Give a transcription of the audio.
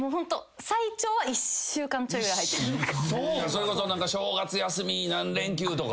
それこそ正月休み何連休とか。